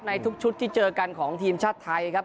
ในทุกชุดที่เจอกันของทีมชาติไทยครับ